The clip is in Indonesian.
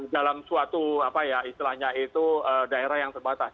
dalam suatu apa ya istilahnya itu daerah yang terbatas